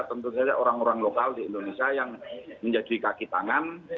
tentu saja orang orang lokal di indonesia yang menjadi kaki tangan